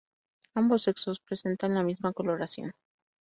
Ambos sexos presentan la misma coloración.